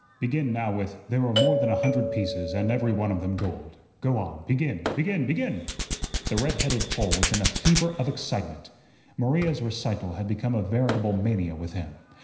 "Begin now with 'There were more than a hundred pieces, and every one of them gold.' Go on, begin, begin, begin!" The red headed Pole was in a fever of excitement. Maria's recital had become a veritable mania with him.